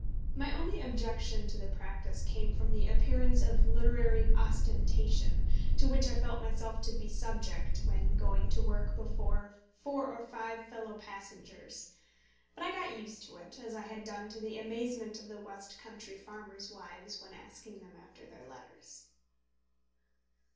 My only objection to the practice came from the appearance of literary ostentation, to which I felt myself to be subject when going to work before four or five fellow passengers. But I got used to it, as I had done to the amazement of the west country farmers' wives when asking them after their letters.